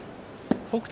北勝